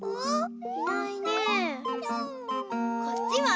こっちは？